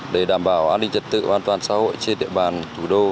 để đảm bảo an ninh trật tự an toàn xã hội trên địa bàn thủ đô